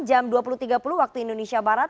jam dua puluh tiga puluh waktu indonesia barat